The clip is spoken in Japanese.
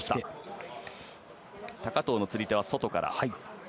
高藤の釣り手は外から。